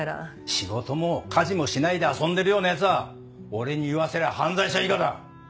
仕事も家事もしないで遊んでるようなヤツは俺に言わせりゃ犯罪者以下だ。